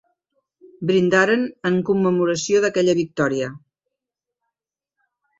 Brindaren en commemoració d'aquella victòria.